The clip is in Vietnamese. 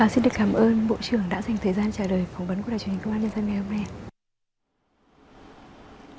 xin được cảm ơn bộ trưởng đã dành thời gian trả lời phỏng vấn của đài truyền hình công an nhân dân ngày hôm nay